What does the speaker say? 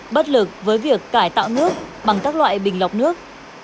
bất lực với việc cải tạo nước bằng các loại bình lọc nước